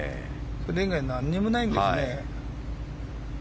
それ以外何もないんですね。